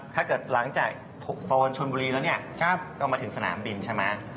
ถ้าเกิดหลังจากถูกโซนชนบุรีแล้วเนี่ยก็มาถึงสนามบินใช่ไหม